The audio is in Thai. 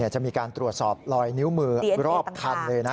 จะมีการตรวจสอบลอยนิ้วมือรอบคันเลยนะ